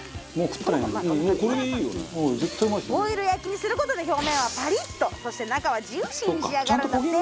ボイル焼きにする事で表面はパリッとそして中はジューシーに仕上がるんだって。